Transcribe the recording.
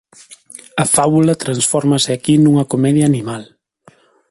A fábula transfórmase aquí nunha comedia animal.